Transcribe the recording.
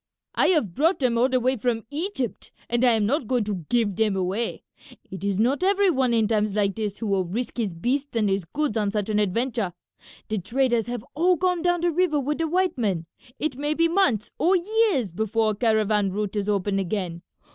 "I have brought them all the way from Egypt and I am not going to give them away. It is not every one in times like this who will risk his beasts and his goods on such an adventure. The traders have all gone down the river with the white men. It may be months or years before a caravan route is open again.